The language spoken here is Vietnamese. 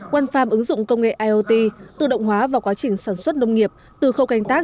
one farm ứng dụng công nghệ iot tự động hóa vào quá trình sản xuất nông nghiệp từ khâu canh tác